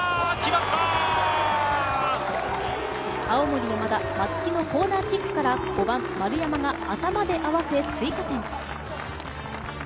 青森山田・松木のコーナーキックから５番・丸山が頭で合わせ追加点。